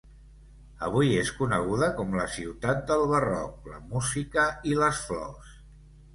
Avui és coneguda com la ciutat del barroc, la música i les flors.